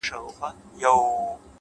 ما نن د هغې سترگي د غزل سترگو ته راوړې _